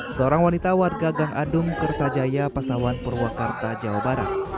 seorang wanita warga gangadum kertajaya pasawan purwakarta jawa barat